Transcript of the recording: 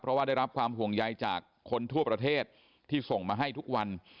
เพราะว่าได้รับความห่วงใยจากคนทั่วประเทศที่ส่งมาให้ทุกวัน